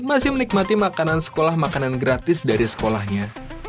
masih menikmati makanan sekolah makanan gratis dari sekolahnya